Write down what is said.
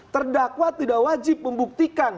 terdakwa tidak wajib membuktikan